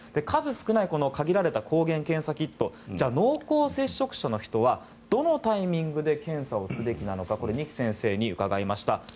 数少ない限られた抗原検査キットじゃあ、濃厚接触者の人はどのタイミングで検査すべきなのか二木先生に伺いました。